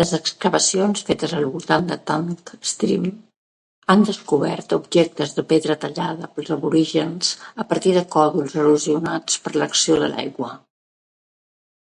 Les excavacions fetes al voltant del Tank Stream han descobert objectes de pedra tallada pels aborígens a partir de còdols erosionats per l'acció de l'aigua.